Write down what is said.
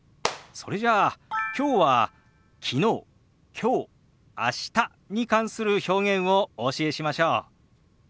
それじゃあきょうは昨日きょう明日に関する表現をお教えしましょう。